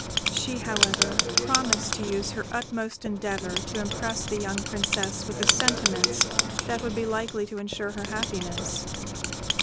She, however, promised to use her utmost endeavour to impress the young Princess with the sentiments that would be likely to ensure her happiness.